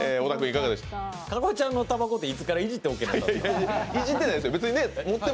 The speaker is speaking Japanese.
加護ちゃんのたばこっていつからいじってないですよ。